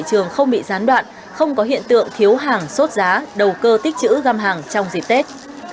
trường không bị gián đoạn không có hiện tượng thiếu hàng sốt giá đầu cơ tích chữ găm hàng trong dịp tết